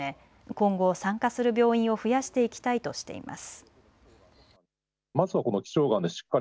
今後、参加する病院を増やしていきたいとしています。